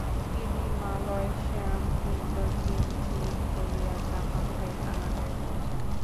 তিনি মালয়, শ্যাম, ইন্দোচীন, চীন, কোরিয়া, জাপান হয়ে কানাডায় পৌঁছান।